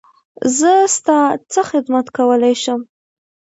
زه ستا څه خدمت کولی شم؟